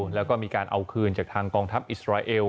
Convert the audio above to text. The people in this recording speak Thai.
แล้วก็มีการเอาคืนจากทางกองทัพอิสราเอล